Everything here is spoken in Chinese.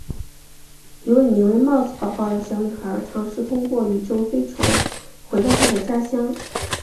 一位名为帽子宝宝的小女孩尝试通过宇宙飞船回到她的家乡。